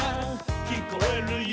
「きこえるよ」